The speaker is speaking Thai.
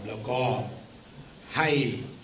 แล้วก็ให้